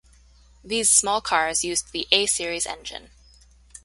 These small cars used the A-Series engine.